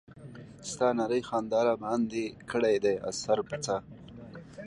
ستا نرۍ خندا راباندې کړے دے اثر پۀ څۀ